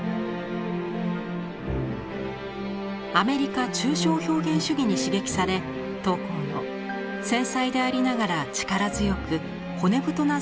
アメリカ抽象表現主義に刺激され桃紅の繊細でありながら力強く骨太な造形が確立されていきました。